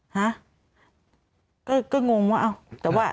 ฮะก็งงว่าเอ้าแต่ว่า